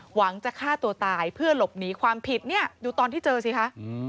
หวังจะฆ่าตัวตายเพื่อหลบหนีความผิดเนี่ยดูตอนที่เจอสิคะ